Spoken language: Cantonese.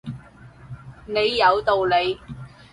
你有道理